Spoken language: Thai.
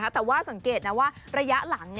แต่ว่าสังเกตนะว่าระยะหลัง